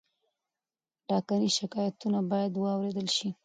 ټاکنیز شکایتونه باید واوریدل شي.